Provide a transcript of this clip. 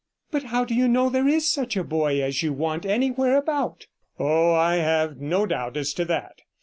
'But how do you know there is such a boy as you want anywhere about?' 'Oh, I have no doubt as to that.